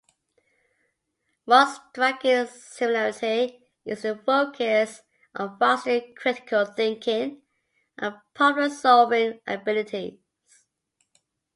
One striking similarity is the focus on fostering critical thinking and problem-solving abilities.